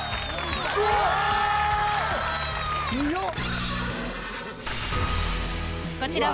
強っ！